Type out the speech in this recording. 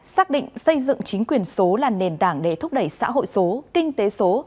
xác định xây dựng chính quyền số là nền tảng để thúc đẩy xã hội số kinh tế số